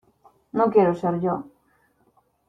no quiero ser yo.